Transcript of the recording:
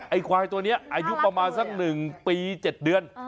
ไอ้ควายตัวเนี้ยอายุประมาณสักหนึ่งปีเจ็ดเดือน